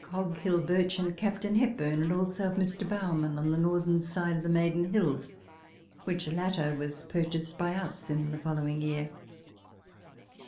Coghill, Birch, and Capt. Hepburn, and also of Mr. Bowerman on the northern side of the Maiden Hills, which latter was purchased by us in the following year.